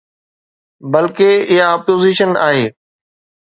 بلڪه، اها اپوزيشن آهي.